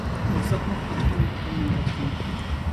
قۇرساقنىڭ ئاچقىنى – ئەقىلنىڭ قاچقىنى.